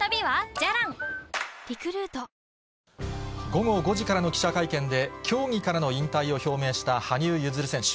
午後５時からの記者会見で競技からの引退を表明した羽生結弦選手。